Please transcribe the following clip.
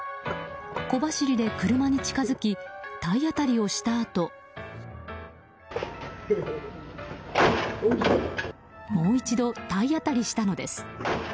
小走りで車に近づき体当たりをしたあともう一度、体当たりしたのです。